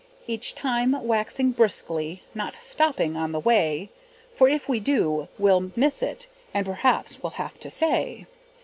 Each time waxing briskly, Not stopping on the way, For if we do we'll miss it, And perhaps will have to stay.